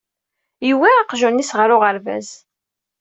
Yewwi aqjun-is ɣer uɣerbaz.